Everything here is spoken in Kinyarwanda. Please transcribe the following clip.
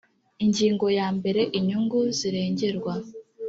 ingingo ya mbere inyungu zirengerwa